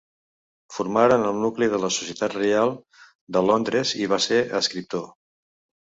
Formaren el nucli de la Societat Reial de Londres i va ser escriptor.